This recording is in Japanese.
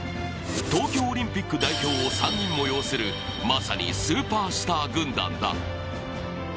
東京オリンピック代表を３人を擁するまさにスーパースター軍団だ。